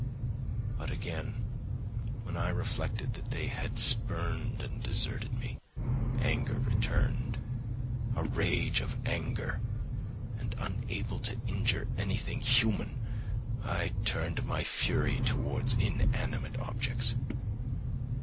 But again when I reflected that they had spurned and deserted me, anger returned, a rage of anger, and unable to injure anything human, I turned my fury towards inanimate objects.